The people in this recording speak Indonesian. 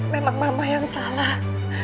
memang mama yang salah